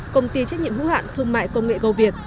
công ty trách nhiệm hữu hạn thương mại công nghệ gâu việt